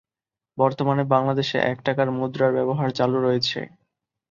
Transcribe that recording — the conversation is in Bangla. বর্তমানে বাংলাদেশে এক টাকার মুদ্রার ব্যবহার চালু রয়েছে।